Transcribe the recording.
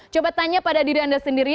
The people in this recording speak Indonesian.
coba tanya pada diri anda sendiri